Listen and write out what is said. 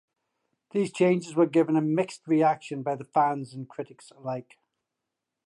These changes were given a mixed reaction by fans and critics alike.